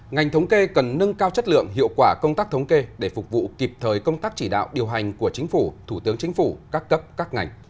ngành thống kê cần nâng cao chất lượng hiệu quả công tác thống kê để phục vụ kịp thời công tác chỉ đạo điều hành của chính phủ thủ tướng chính phủ các cấp các ngành